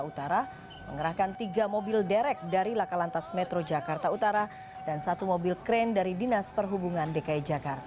petugas sempat mengalami kesulitan saat mengevakuasi bus transjakarta ini lantaran sebagian badan bus terjepit